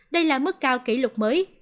đây là mức cao kỷ lục mới